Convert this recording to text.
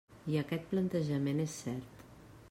I aquest plantejament és cert.